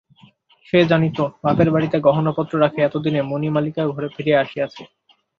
সে জানিত, বাপের বাড়িতে গহনাপত্র রাখিয়া এতদিনে মণিমালিকা ঘরে ফিরিয়া আসিয়াছে।